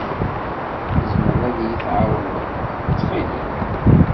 Tzemreḍ ad iyi-tɛawneḍ, ttxil-m?